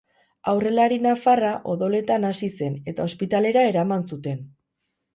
Aurrelari nafarra odoletan hasi zen eta ospitalera eraman zuten.